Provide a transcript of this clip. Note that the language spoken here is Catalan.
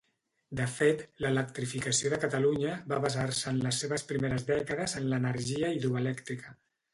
De fet, l'electrificació de Catalunya va basar-se en les seves primeres dècades en l'energia hidroelèctrica.